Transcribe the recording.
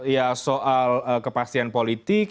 ya soal kepastian politik